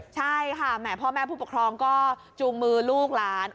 ใช่ค่ะแหม่พ่อแม่ผู้ปกครองก็จูงมือลูกหลาน